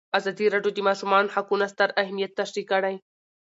ازادي راډیو د د ماشومانو حقونه ستر اهميت تشریح کړی.